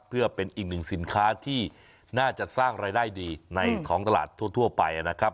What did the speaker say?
เพื่อเป็นอีกหนึ่งสินค้าที่น่าจะสร้างรายได้ดีในของตลาดทั่วไปนะครับ